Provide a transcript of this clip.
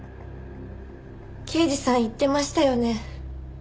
刑事さん言ってましたよね。